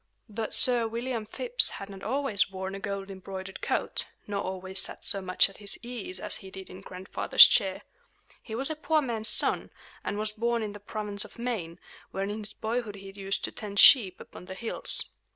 But Sir William Phips had not always worn a gold embroidered coat, nor always sat so much at his ease as he did in Grandfather's chair. He was a poor man's son, and was born in the province of Maine, where in his boyhood he used to tend sheep upon the hills.